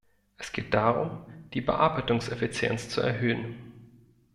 Es geht darum, die Bearbeitungseffizienz zu erhöhen.